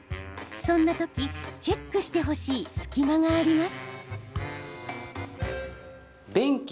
そんな時、チェックしてほしい隙間があります。